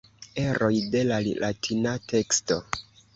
Eroj de la latina teksto.